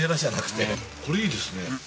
これいいですね。